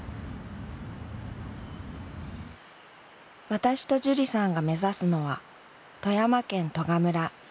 私と樹里さんが目指すのは富山県利賀村。